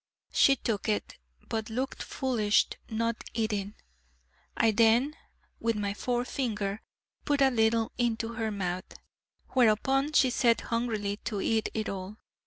She took it, but looked foolish, not eating. I then, with my forefinger, put a little into her mouth, whereupon she set hungrily to eat it all.